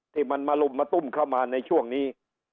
ที่มันมาลุมมาตุ้มเข้ามาในช่วงนี้